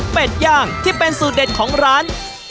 ย่างที่เป็นสูตรเด็ดของร้าน